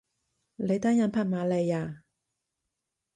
你單人匹馬嚟呀？